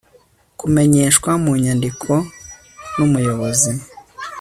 kumenyeshwa mu nyandiko n Umuyobozi